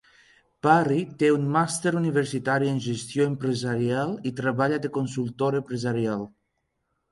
Parry té un Màster Universitari en Gestió Empresarial i treballa de consultor empresarial.